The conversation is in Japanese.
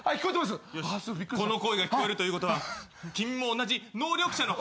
この声が聞こえるということは君も同じ能力者のはずなんだよ。